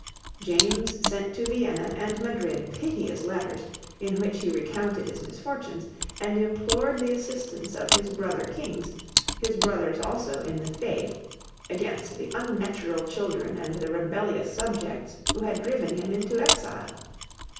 James sent to Vienna and Madrid piteous letters, in which he recounted his misfortunes, and implored the assistance of his brother kings, his brothers also in the faith, against the unnatural children and the rebellious subjects who had driven him into exile.